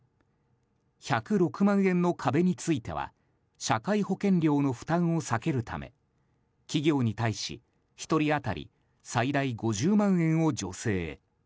１０６万円の壁については社会保険料の負担を避けるため企業に対し、１人当たり最大５０万円を助成へ。